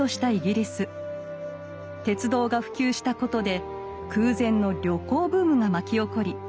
鉄道が普及したことで空前の旅行ブームが巻き起こり